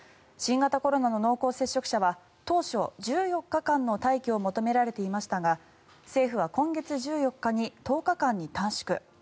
新型コロナの濃厚接触者は当初、１４日間の待機を求められていましたが政府は今月１４日に１０日間に短縮。